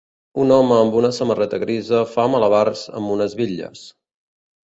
Un home amb una samarreta grisa fa malabars amb unes bitlles.